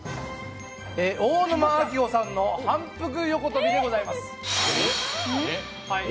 大沼晶保さんの反復横跳びでございます。